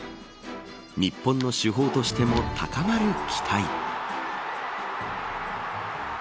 日本の主砲としても高まる期待。